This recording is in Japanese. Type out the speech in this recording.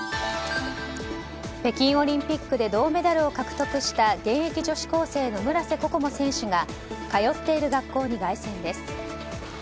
北京オリンピックで銅メダルを獲得した現役女子高生の村瀬心椛選手が通っている学校に凱旋です。